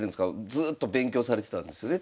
ずっと勉強されてたんですよね